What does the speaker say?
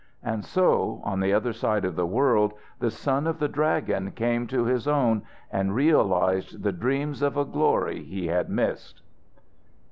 And so, on the other side of the world, the son of the Dragon came to his own and realized the dreams of a glory he had missed.